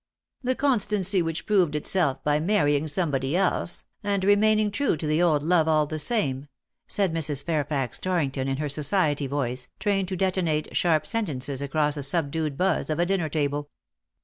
The constancy which proved itself by marrying somebody else, and remaining true to the old love all the same," said Mrs. Fairfax Torrington, in her society voice, trained to detonate sharp sentences across the subdued buzz of a dinner table.